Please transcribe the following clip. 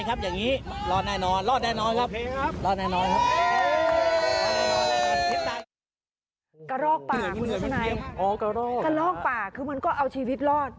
กระรอกป่าคือมันก็เอาชีวิตรอด